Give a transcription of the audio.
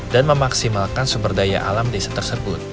dan memaksimalkan sumber daya alam desa tersebut